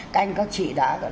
các anh các chị đã lấn